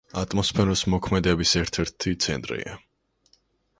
ატმოსფეროს მოქმედების ერთ-ერთი ცენტრია.